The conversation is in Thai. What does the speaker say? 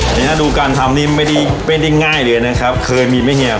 เนี้ยดูการทำนี้ไม่ได้เป็นได้ง่ายเลยเนี้ยนะครับเคยมีไหมเฮีย